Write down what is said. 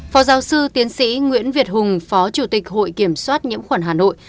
phó giáo sư tiến sĩ nguyễn việt hùng phó chủ tịch hội kiểm soát nhiễm khuẩn hà nội